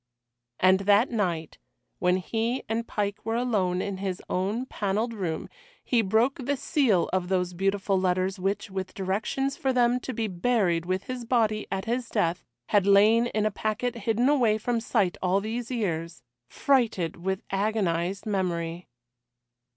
And that night, when he and Pike were alone in his own panelled room, he broke the seal of those beautiful letters which, with directions for them to be buried with his body at his death, had lain in a packet hidden away from sight all these years, freighted with agonised memory.